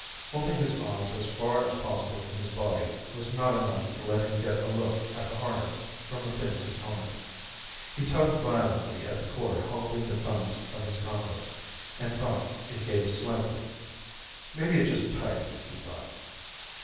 Holding his arms as far as possible from his body was not enough to let him get a look at the harness from within his helmet. He tugged violently at the cord holding the thumbs of his gauntlets, and thought it gave slightly. Maybe it just tightened, he thought.